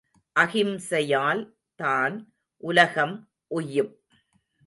அகிம்சையால் தான் உலகம் உய்யும்.